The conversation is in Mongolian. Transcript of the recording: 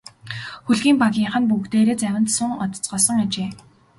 Хөлгийн багийнхан бүгдээрээ завинд суун одоцгоосон ажээ.